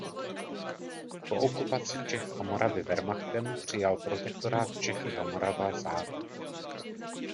Po okupaci Čech a Moravy Wehrmachtem přijal Protektorát Čechy a Morava zák.